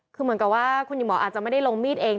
คือเหมือนกับว่าคุณหญิงหมออาจจะไม่ได้ลงมีดเอง